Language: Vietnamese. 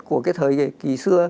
của cái thời kỳ xưa